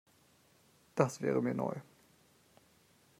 Das wäre mir neu.